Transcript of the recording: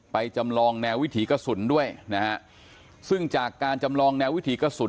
จำลองแนววิถีกระสุนด้วยนะฮะซึ่งจากการจำลองแนววิถีกระสุน